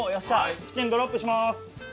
チキンドロップします。